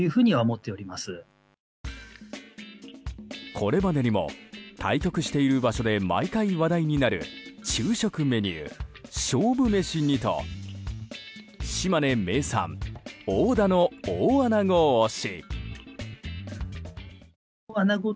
これまでにも対局している場所で毎回話題になる昼食メニュー勝負メシにと島根名産・大田の大あなご推し。